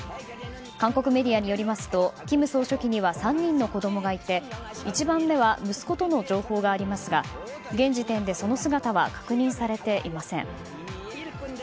韓国メディアによりますと金総書記には３人の子供がいて１番目は息子との情報がありますが現時点でその姿は確認されていません。